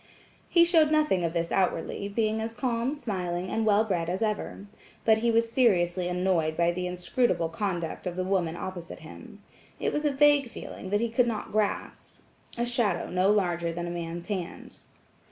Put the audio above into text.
He showed nothing of this outwardly, being as calm, smiling and well bred as ever. But he was seriously annoyed by the inscrutable conduct of the woman opposite him. It was a vague feeling that he could not grasp–a shadow no larger than a man's hand.